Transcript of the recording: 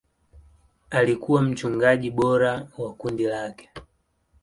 Alikuwa mchungaji bora wa kundi lake.